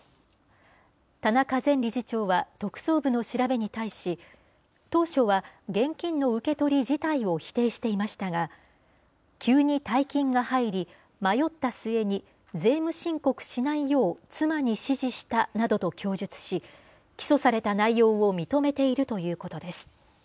田中前理事長は特捜部の調べに対し、当初は現金の受け取り自体を否定していましたが、急に大金が入り、迷った末に、税務申告しないよう妻に指示したなどと供述し、起訴された内容を認めているということです。